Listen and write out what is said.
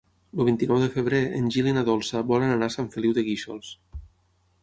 El vint-i-nou de febrer en Gil i na Dolça volen anar a Sant Feliu de Guíxols.